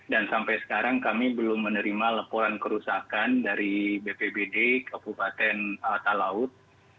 dan sampai sekarang kami belum menerima laporan kerusakan dari bpbd ke bupaten talaut